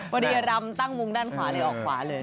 บุรีรำตั้งมุมด้านขวาเลยออกขวาเลย